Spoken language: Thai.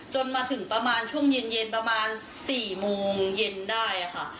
จนมาถึงประมาณช่วงเย็นประมาณ๔โมงเย็นได้ค่ะ